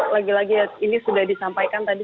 lagi lagi ini sudah disampaikan tadi